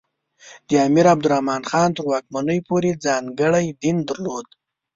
د امیر عبدالرحمان خان تر واکمنۍ پورې ځانګړی دین درلود.